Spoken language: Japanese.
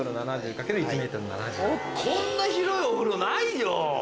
こんな広いお風呂ないよ。